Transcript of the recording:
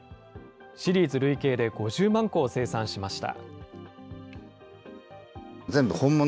シリーズ累計で５０万個を生産しました。